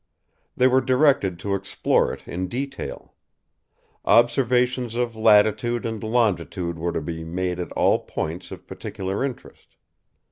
They were directed to explore it in detail. Observations of latitude and longitude were to be made at all points of particular interest.